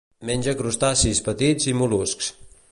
Menja crustacis petits i mol·luscs.